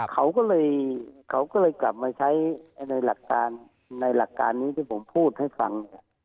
เขาก็เลยกลับมาใช้ในหลักการนี้ที่ผมพูดให้ฟัง